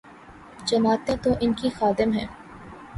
جماعتیں تو ان کی خادم ہیں۔